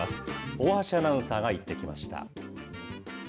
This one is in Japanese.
大橋アナウンサーが行ってきました。